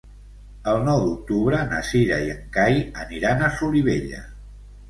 El nou d'octubre na Cira i en Cai aniran a Solivella.